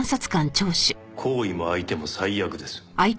行為も相手も最悪です。